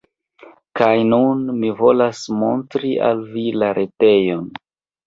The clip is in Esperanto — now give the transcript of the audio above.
Kaj nun, mi volas montri al vi la retejon!